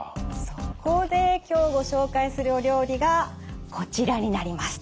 そこで今日ご紹介するお料理がこちらになります。